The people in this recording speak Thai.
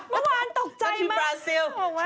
เมื่อวานตกใจมากผมว่ามันชื่อบราซิล